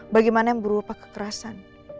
bagaimana yang berupa kekerasan